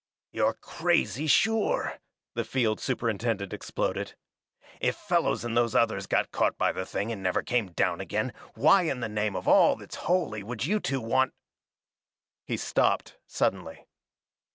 "You're crazy sure!" the field superintendent exploded. "If Fellows and those others got caught by the thing and never came down again, why in the name of all that's holy would you two want " He stopped suddenly.